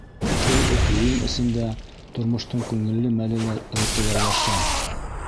Шул уҡ йыйын эсендә тормоштоң күңелле мәле лә ритуалләшә.